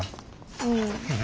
うん。